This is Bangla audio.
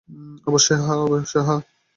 অবশ্যই, হ্যাঁ।